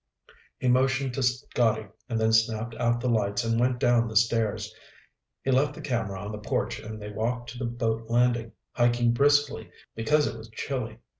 He motioned to Scotty and then snapped out the lights and went down the stairs. He left the camera on the porch and they walked to the boat landing, hiking briskly because it was chilly.